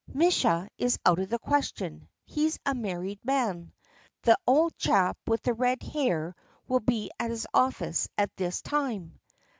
"Misha is out of the question; he's a married man. ... The old chap with the red hair will be at his office at this time.